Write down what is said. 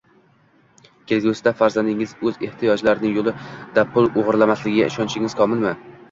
Kelgusida farzandingiz o‘z “ehtiyojlari” yo‘lida pul o'g'irlamasligiga ishonchingiz komilmi?